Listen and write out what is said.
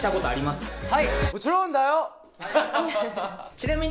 ちなみに。